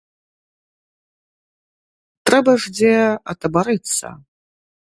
Трэба ж дзе атабарыцца.